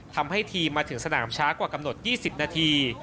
ทำให้ทีมมาถึงสนามช้ากว่ากำหนด๒๐นาที